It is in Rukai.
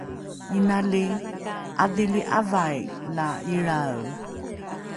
inali ’adhili ’avai la ilrae